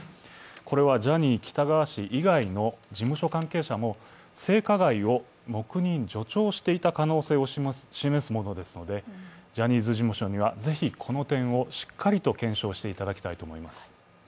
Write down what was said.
これはジャニー喜多川氏以外の事務所関係者も性加害を黙認・助長していた可能性を示すものですので、ジャニーズ事務所にはぜひこの点をしっかりと検証していただきたいと思います。